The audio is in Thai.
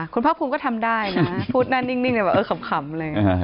คุณภาคภูมิก็ทำได้นะพูดหน้านิ่งเลยแบบเออขำเลย